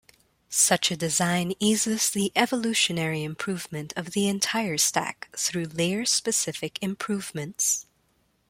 Such a design eases the evolutionary improvement of the entire stack through layer-specific improvements.